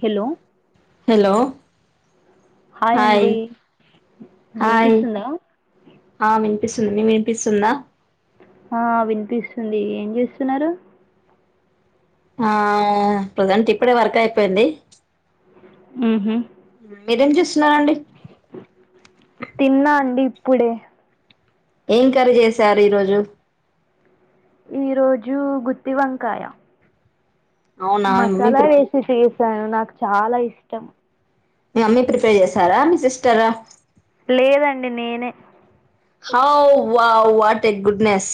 Hello hello hi hi వినిపిస్తుందా ఆ వినిపిస్తుంది మే పిస్తుందా ఆ వినిపిస్తుంది ఏం చేస్తున్నారు ఆ ప్రజెంట్ ఇప్పుడే వర్క్ అయిపోయింది ఉహు మీరేం జే తిన్నా అండి ఇప్పుడే ఏం కర్రీ చెసారు ఈరోజు ఈ రోజు గుత్తివంకాయ అవునా మీ మమ్మీ మసాలా ప్రిప ఏసీ చేశాను నాకు చాలా ఇష్టం మీ మమ్మీ ప్రిపేర్ చేసారా మీ సిస్టర్ ఆ లేదండి నేనే హౌ వా wow what a goodness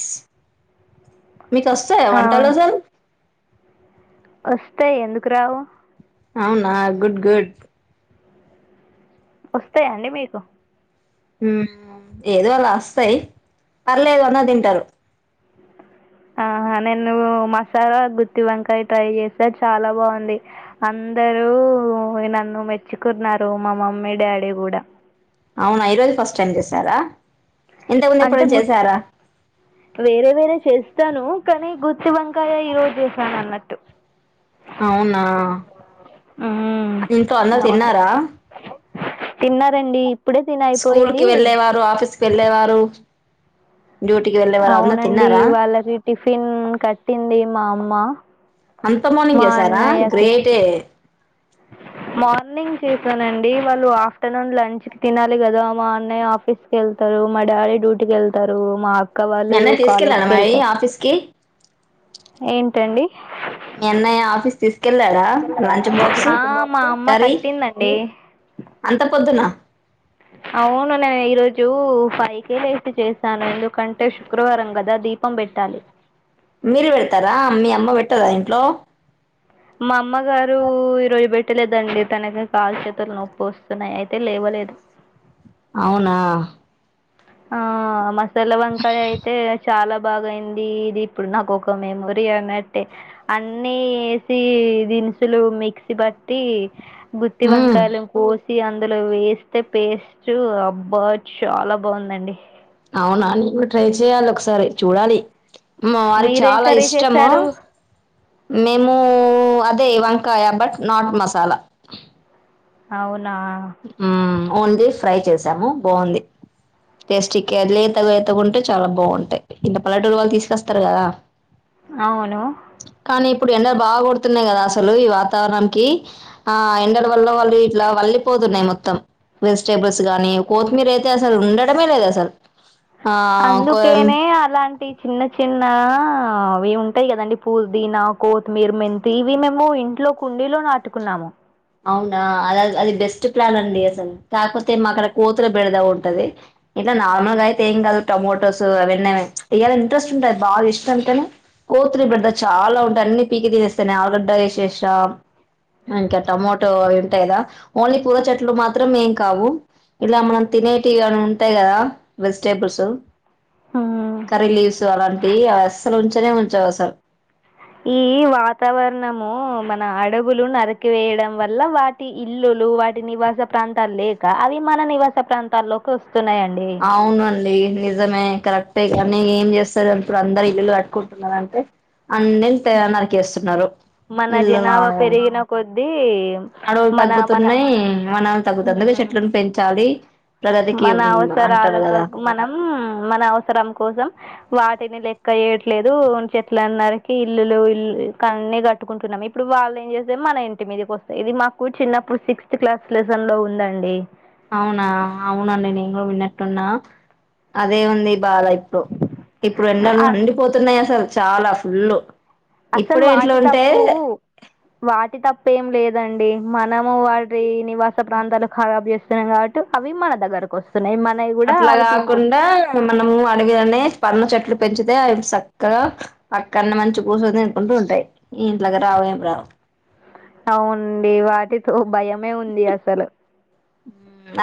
మీకు వస్తాయ ఆ వంటలు అసల్ వస్తాయి ఎందుకు రావు అవునా గుడ్ గుడ్ వస్తాయాండి మీకు హ్మ్ ఏదో అలా వస్తాయి పర్లేదు అందరూ తింటారు ఆహా నేను మసాలా గుత్తి వంకాయ ట్రై చేసే చాలా బాగుంది అ అందరు నన్ను మెచ్చుకున్నారు మా మమ్మీ డాడీ కూడా అవునా ఈరోజే ఫస్ట్ టైమ్ చేసారా ఇంతకుముందు అంటే ఎప్పుడైనా గు చేసారా వేరే వేరే చేస్త తాను కానీ గుర్తి వంకాయ ఈరోజు చేశాను అన్నట్టు అవునా మ్మ్. ఇంట్లో అందరు అవునండి తిన్నారా తిన్నారండి ఇప్పుడే తిని స్కూల్ కి అయిపోయింది వెళ్ళలేేవారు ఆఫీస్కి వెళ్ళేవారు డ్యూటీకి వెళ్ళేవారు అందరు అవునండి తిన్నారా వాళ్ళకి టిఫిన్ కట్టింది మా అమ్మ అంత మార్నింగ్ చేసారా గ్రేటే అ మార్నింగ్ చూసానండి వాళ్ళు ఆఫ్టర్నూన్ లంచ్ కి తినాలి కదా మా అన్నయ్య ఆఫీస్ కి వెళ్తారు మా డాడీ డ్యూటీకి వెళ్తారు మా అక్క మీ వాళ్ళు అన్నయ్య తీసుకెళ్ళాడా కాలేజ్కి మరి వెళ్తారు ఆఫీస్ కి ఏంటండి మీ అన్నయ ఆఫీస్ తీసుకు కేళ్ళడా లంచ్ బాక్స్ ఆ, మా అమ్మ కర్రీ కట్టిందండి అంత పొద్దున అవును నేను ఈరోజు ఫై కేే లేసి చేశాను ఎందుకంటే శుక్రవారం కద దీపం బేట్టాలి లో మా అమ్మ గారు ఈ రోజు బెట్ ట్టలేదండి తనకి కాల్ చేతుల్ నోప్ ఒస్తున్నాయి అయితే లేవలేదు అవునా ఆ మసాలా వంకాయ అయితే చాలా బాగాయింది ఇది ఇప్పుడు నాకు ఒక మెమోరీ అన్నట్టే అన్నీ ఎసి ఇది దిన్ సులు మిక్సీ బట్టి గుత్తి మ్మ్ వంకాయలన్ కోసి అందులో వేస్తే పేస్ట్ అబ్బా చాల బావుందండి అవునా నేన్ కు ట్రై చేయాలి ఒకసారి చూడాలి మా వార్ క్ మీరేం చాలా కర్రీ ఇష్టము చేశారు మేము అద్ దే వంకాయ బట్ నాట్ మసాలా అవున్ ఉమ్ ఓన్లీ ఫ్రై చేసాము బావుంది టేస్టీ కే లేత లేతగుంటే చాలా బావుంటయ్ ఇంత పల్లెటూరు వాళ్ తీస్కొస్తార్ కదా అవును కని ఇప్పుడు ఎండ బాగా కొతున్నాయి కదా అసలు ఈ వాతారంకీ ఆ ఎండల్ వల్ల వాళ్ళు ఇట్లా వళ్లి పోతున్నాయి మొత్తం వెజిటేబుల్స్ గానీ కొత్మీర్ అయితే అసల్ ఉండడమే లేదు అసల్ అందుకేనే అలాంటి చిన్న చిన్న అవి ఉంటాయి కదండి పూర్దినా, కోత్మీర, మెంతి ఇవి మేము ఇంట్ ట్లో కుండీలో నాటుకున్నాము అవునా అద్ అది బెస్ట్ ప్లాన్ అండి అసల్ కాకపోతే మాకడ కోతులు బెడదా ఉంటది ఇల నార్మల్గాయితే ఎం కాదు టొమాటోస్ అవేన్నైనా తేయాలని ఇంట్రెస్ట్ ఉంటద్ బాగా ఇష్టం తోనే కోతురి బెడద చాలా ఉంట అన్ని పీకి తినేస్తా ఆల్గడ్డ ఎశేష అంక టమోటో అవి ఉంటా కదా ఓన్లీ కూర చెట్లు మాత్ త్రం ఎం కావు ఇలా మనం తినేటివిగాని ఉంటాయి కదా వెజిటేబుల్సు హ్మ్. కర్రీ లీవ్సు అలాంటివి అవ్ అస్సల్ ఉంచనే ఉంచవ్ అసల్ ఈ వాతావరణము మన అడవులు నరికివేయడం వల్ల వాటి ఇల్లు లు వాటి నివాస ప్రాంతాల్ లేక అవి మన నివాస ప్రాంతాల్లోకి వస్త అవును అండి నిజమే కరెక్టే కానీ ఏం చేస్తారు అప్పుడు అందరు ఇల్లు కట్టుకుంటున్నారంటే అన్నిన్ తెగ నరికేస్తున్నారు మన ఇల్లులగా జనాభా పెరిగిన అవును. కొద్దీ అడువు మన మన తగ్గుతున్నాయి మన తగుతోందరగ హ్మ్. చెట్లను పెంచాలి ప్రగతికి మ్ రలతోక్ మనం మన అవసరం కోసం వాటిని లే కయట్లేదు చెట్లు అన్నరికి ఇల్లులు ఇ కన్ని కట్టుకుంటున్నాము ఇప్పుడు వాళ్ళు ఏం చేస్ మన ఇంటి మీదకి వస్తాయి ఇది మాకు చిన్నప్పుడు సిక్స్త్ క్లాస్ లెసన్ లో ఉందండి అవునా అవునాండి నెను కూడ విన్నటున్నా అదే ఉంది బాధ ఇప్పుడు ఇప్పుడు ఎన్నలు ఎండిపోతున్నాయసల్ చాలా ఫుల్లు అసల్ వాటి తప్పు వాటి తప్పేం లేదు దండి మనము వాటి నివాస ప్రాంతాలు కారబ్ చేస్తున్నాం కాబట్టి అవి మన దగ్గరకు వస్ అట్లా కాకుండా మనము అడిగదనే పన్న చెట్లు పెంచుతే అవి సక్కగా అక్కన్నే మంచి కుసోన్ తినుకుంటూ ఉంటాయి ఇంట్లోగ్రావు ఏం రావు అవునండి వాటితో భయమే ఉంది అసలు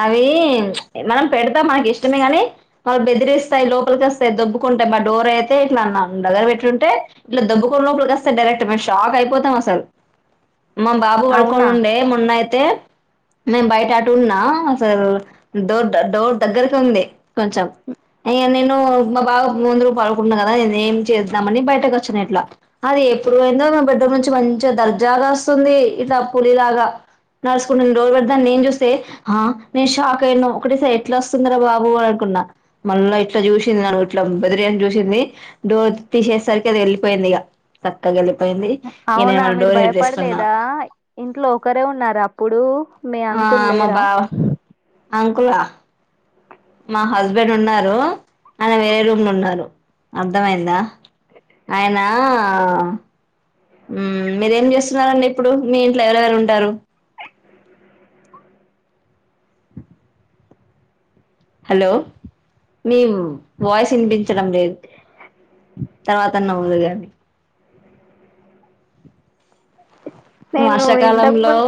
అవి మనం పెడతాం మకి ఇష్టమే గాని మళ్ళ బెదిరిస్తాయి లోపలిక వస్తాయి దొబ్బుకుం ట మా డోర్ అయితే ఇట్లా అన్నా దగ్గర పెట్టుంటే ఇట్లా దబ్బుకొన్న లోపకొస్త డైరక్ట్ మెం షాక్ అయిపోతాం అసల్ [inaudible] మా బాబు అవునా పడుకోనిండే మొన్నయితే మేము బయట ఆ టున్నా అసలు డో డోర్ దగ్గరకు ఉంది కొంచం‌ ఇయ నిను నొ మా బాబు ముందు పడుకున్నారా కదా నేను ఏం చేద్దామని బయటకు వచ్చాను ఇట్లా అది ఎప్పుడువైందో పెద్దమనిషి మంచిగా దర్జాగా వస్తుంది ఇట్లా పులీ లాగా నడుసుకుండి డోర్ పెడా నే చూస్తే టే ఆ నేను షాక్ అయినా ఒకటిసారి ఎట్లా వస్తుందరా బాబు అనుకున్నా మళ్ళా ఇట్లా చూసింది ఇట్లా బెదిరిని చూసింది డో తీశేసరికి అది వెళ్ళిపోయింది ఇక చక్కగా వెళ్ళి అవునా మీరు భయపడలేదా ఇంట్లో ఒకరే ఉన్నారు అప్పుడు మీ అంకుల్ లేరా అంకులా మా హస్బెండ్ ఉన్నారు అనే వేరే రూమ్ లో ఉన్నారు అర్థమయిందా అయనా ఉమ్ మీరేం చేస్తున్నారండి ఇప్పుడు మీ ఇంట్ల ఎవరెవరు ఉంటారు హలో మీ వాయిస్ ఇన్పి చడం లేదు తర్వాత నవ్వుదువు కానీ నేను ఇంతకు వర్షాకాలంలో ముందు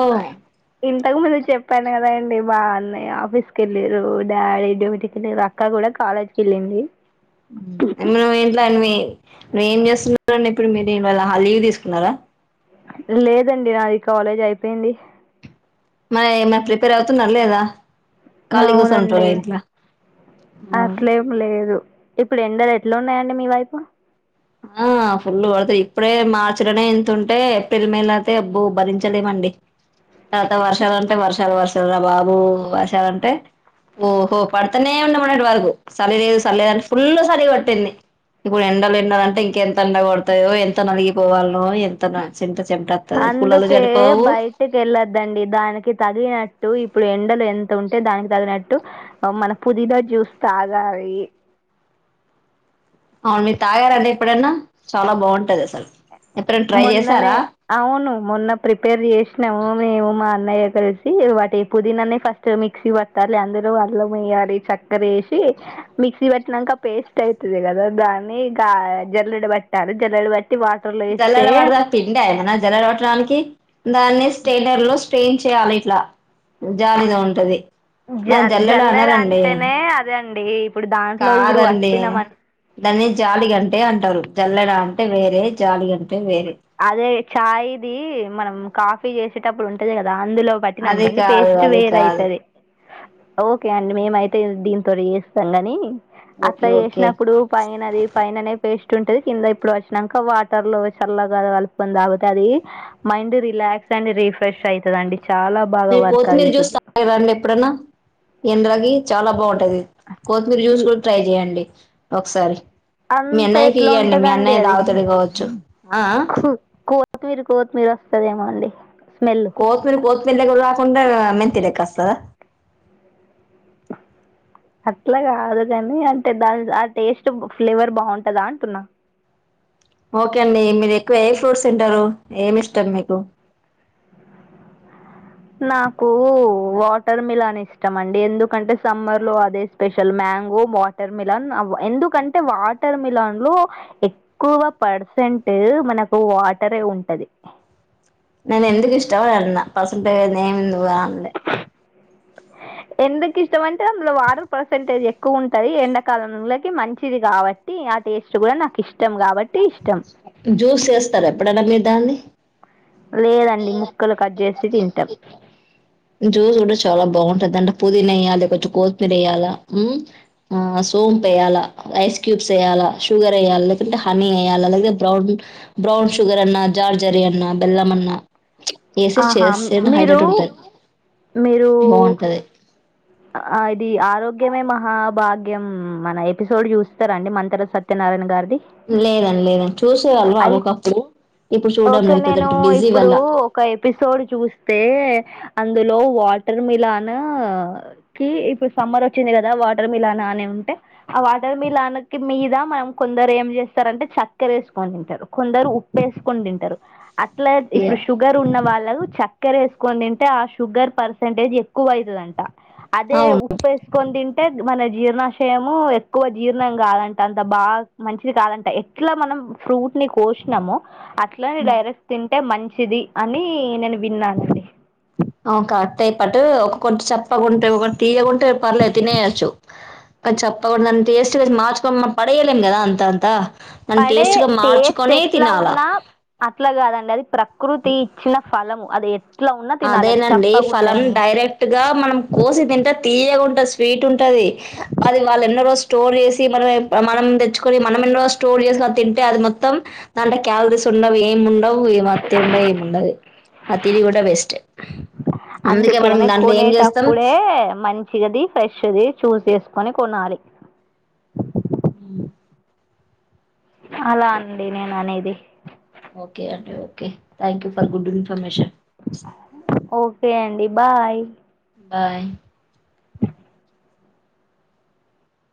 ఇంతకు ముందు చెప్పాను కదా అండి మా అన్నయ్య ఆఫీస్ కెళ్ళిరు డాడీ డ్యోటికిళ్ళిరు అక్క కూడా కాలేజ్ కి వెళ్ళింది మన ఏంట్ల అని నువ్వు ఏం చేస్తున్నడి ఇప్పుడు మీరువ్వాల లీవ్ తీసుకున్నారా లేదండి నాది కాలేజ్ అయిపోయింది మరి ఏమనా ప్రిపేర్ అవుతున్నార లేదా ఖాళీ కూర్చొని అవునండి ఉంటారా ఇంట్లో అట్లేం లేదు ఇప్పుడు ఎండ ఎట్లా ఉన్నాయండి మీ వైపు ఆ ఫుల్ పడుతాయి ఇప్పుడే మార్చి లోనే ఇంతుంటే ఏప్రిల్ మేలో అయితే అబ్బో భరించలేమండి ఉంది తర్వాత వర్షాలుంటే వర్షాలు వర్షాలు రా బాబు వర్షాలుంటే ఓహో పడుతనే ఉండే మొన్నటి వరకు సలి లేదు సర్లేదని ఫుల్ సలి కొట్టింది ఇప్పుడు ఎండలు ఎండలు అంటే ఇంకెంత ఎండ పడతాయో ఎంత నలిగిపోవాలొ కులలు అందుకే సరిపోవు బయటికి వెళ్ళొద్దండి దానికి తగినట్టు ఇప్పుడు ఎండలు ఎంత ఉంటే దానికి తగినట్టు మన పుదీన జ్యూస్ తాగాలి అవును మీ తాగారండి ఎప్పుడన్నా చాలా బాగుంటది అసలు ఎప్పుడనా ట్రై మొన్ననే చేశారా అవును మొన్న ప్రిపేర్ చేసినాము మేము మా అన్నయ్య కలిసి వాటి పుదీనానే ఫస్ట్ మిక్సీ పడతాం అందులో ఆ అల్లం వయ్యాలి చక్కర వేసి మిక్సీ బట్టి నంక పేస్ట్ అయితది కదా దాన్ని ఇంక జల్లడు పట్టాలి జల్లడు బట్టి వా జల్లడా వాడదా పిండి ఎమన్న జల్లాడ వాట్టడానికి దాన్ని స్టెలర్ లో స్ట్రెయిన్ చేయాలి ఇట్లా జాలిగా ఉంటది న జ జల్లెడా జల్లెడ అనరండి అంటేనే అదే అండి ఇప్పుడు దాంట్లో ఇప్పుడు కాదండి పట్టినం దాన్ని జాలి గంట అంటారు జల్లడా అంటే వేరే జాలి అంట అదే చఛాయ్ది మనం కాఫీ చేసేటప్పుడు ఉంటది కదా అందులో బట్టిన అది అనుకోండి కాదు పేస్ట్ అది వేర కాదు అవుతుది ఓకే అండి మేమయితే దీని తోనే చేస్తాం ని ఓకే అట్లా ఓకే చేసినప్పుడు పైన అది పైననే పే ఇ ఉంటది కింద ఇప్పుడు వచ్చినాక వాటర్ లో చల్ల కలుపుకొని తగుతది మైండ్ రిలాక్స్ అడ్ రిఫ్రెష్ అవుతదండి చాలా బాగా వర్క్ అయితుంది ఇంద్రాకి చాలా బాగుంటది కొత్తిమీర జ్యూస్ ల్- కూడా ట్రై చేయండి ఒకసారి మీ అంత అన్నయ్యకి ఎట్లా ఇవ్యండి మీ ఉంటుందండి అన్నయ్య అది తాగుతాడు కావచ్చు ఆ కోతి మీరు కోత్ మీరు వస్తుదేమో అండి స్మెల్ కొత్తిమీరు కొత్తిమీలెక్క కాకుండా మెంతి లెక్క వస్తాద అట్లా కాదు కాని అంటే దాని ఆ టేస్ట్ ఫ్లేవర్ బాగుంటదా అంటున్నా ఓకే అండి మీరు ఎక్కువ ఏ ఫ్రూట్స్ తింటారు ఏం ఇష్టం మీకు అ నాకు వాటర్ మిలాన్ ఇష్టం అండి ఎందుకంటే సమ్మర్ లో అదే స్పెషల్ మ మ్యాంగో వాటర్ మిలాన్ ఎందుకంటే వాటర్ మిలాన్ లో ఎక్కువ పర్సెంట్ అంటే మనకు వాటరే ఉంటది నేను ఎందుకు ఇష్టమని అన్న పర్సంటేజ్ నేను ఏమింది అనలే ఎందుకి ఇష్టం అంటే అందులో వాటర్ పర్సంటేజ్ ఎక్కువ ఉంటది ఎండాకాలంలోకి మంచిది కాబట్టి ఆ టేస్ట్ కూడా నాకు ఇష్టం కాబట్టి ఇష్టం జ్యూస్ చేస్తార ఎప్పుడనా మీరు దాన్ని లేదండి ముక్కలు కట్ చేసి తింటాం జ్యూస్ కూడా చాలా బాగుంటది దాంట్ల పుదీనా వేయలి కొంచెం కొత్తిమీర వయ్యాలా ఉమ్ ఆ సోంప్ వేయాలా ఐస్ క్యూబ్స్ వేయాలా షుగర్ వేయాలి హనీ వయ్యాలి అతే బ్రౌన్ బ్రౌన్ షుగర్ అన్నా జార్జరీ అన్నా బెల్లం అన్నా వేసేసి ఆహా చేస్తే మీరు హైలైట్ ఉంటది మీరు బాగుంటది ఆ ఇది ఆరోగ్యమే మహా భాగ్యం మన ఎపిసోడ్ చూస్తారం అండి మంతెన సత్యనారాయణ గారు లేదండి లేదండి చూసేవాళ్ళరు అయి ఓకప్పుడు ఇప్పుడు చూడం ఓకే లే నేను ప్రజెంట్ బిజీ ఇప్పుడు వల్ల ఒక ఎపిసోడ్ చూస్తే అందులో వాటర్ మిలాన్ కి ఇప్పుడు సమ్మర్ వచ్చింది కదా వాటర్ మిల్ అన అని ఉంటే ఆ వాటర్ మిల్ కి మీద మనం కొందరు ఏం చేస్త రంటే చక్కెర వేసుకొని తింటారు కొందరు ఉప్పు వేసుకొని తింటారు అట్లా ఇప్పుడు షుగర్ ఉన్న వాళ్ళకు చక్కర వేసుకని తింటే ఆ షుగర్ పర్సంటేజ్ ఎక్కువ అవుతుందంట అదే అవును ఉప్పు వేస్కొ ఇం అంటే మన జీర్ణాశయము ఎక్కువ జీర్ణం కాదంట అంత బాగా మంచిది కాదంట ఎట్లా మనం ఫ్రూట్ ని కోసినాము అట్లనే డైరెక్స్ తింటే మంచిది అని నేను విన్నానండి కట్ అయి పాటు ఒక కొటి చప్పకుంటే ఒకటి తీయకుంటే పర్లే తినేయొచ్చు చెప్ప కూడా అంతేస్ట్ మార్చక మ పడయలేం కదా అంత అంత పడే టేస్ట్ ఎట్లా ఉన్నా అట్లా కాదండి అది ప్రకృతి ఇచ్చిన ఫలము అది ఎ అదేనండి ఫలం డైరెక్ట్ గా మనం కోసి తింట తీయకుండా స్వీట్ ఉంటంది అది వాళ్ళు ఎన్నో రోజు స్టోర్ చేసి మన మనం తెచ్చుకొని మనం ఎన్నో రోజు స్టోర్ ఉప్పు వేసుకొని తింటే అది మొత్తం దాంట్లో క్యాలరీస్ ఉండవు ఏమి ఉండవు ఉప్పు ఏమి అతి ఉండ ఉండ అతిరి కూడా వెస్ట్ అందుకేనే ఏం చేస్తాం కొనేటప్పుడే మంచిగాది ఫ్రెష్ అది చూస్ చేసుకొని కొనాలే అ అలా అండి నేను అనేది ఓకే అండి okay thank for good information okay అండి బాయ్ బాయ్